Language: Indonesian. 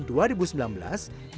pada tahun dua ribu sembilan belas